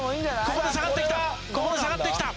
ここで下がってきた